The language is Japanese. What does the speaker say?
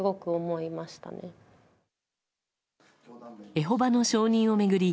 エホバの証人を巡り